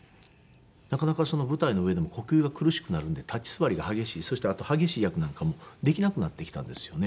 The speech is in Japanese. なかなか舞台の上でも呼吸が苦しくなるんで立ち座りが激しいそしてあと激しい役なんかもできなくなってきたんですよね。